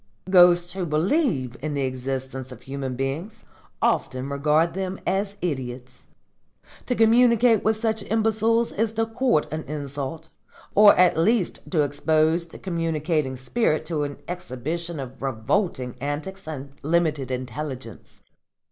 Ghosts who believe in the existence of human beings often regard them as idiots. To communicate with such imbeciles is to court an insult, or at least to expose the communicating spirit to an exhibition of revolting antics and limited intelligence.